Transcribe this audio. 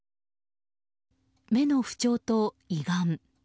目の不調と胃がん。